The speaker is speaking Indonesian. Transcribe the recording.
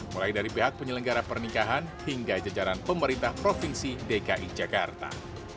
mulai dari pihak penyelenggara pernikahan hingga jajaran pemerintah provinsi dki jakarta